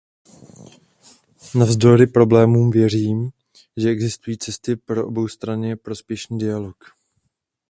Navzdory problémům věřím, že existují cesty pro oboustranně prospěšný dialog.